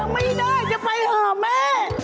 ไม่ได้อย่าไปหาแม่